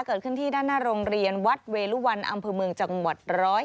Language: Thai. เกิดขึ้นที่ด้านหน้าโรงเรียนวัดเวลุวันอำเภอเมืองจังหวัด๑๐๑